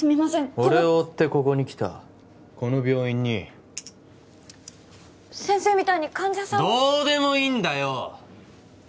この俺を追ってここに来たこの病院に先生みたいに患者さんをどうでもいいんだよ！